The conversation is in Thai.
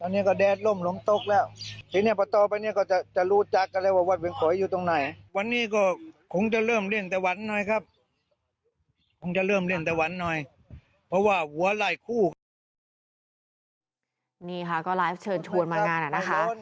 นี่ค่ะก็ไลฟ์เชิญชวนมางานอะนะคะ